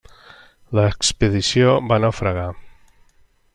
L'expedició va naufragar.